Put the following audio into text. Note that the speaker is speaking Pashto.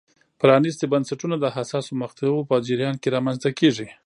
پرانیستي بنسټونه د حساسو مقطعو په جریان کې رامنځته کېږي.